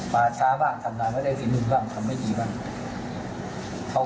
ในระหว่างการติดตามเรื่องมอร์ไซด์กับที่เค้าใช้นะครับ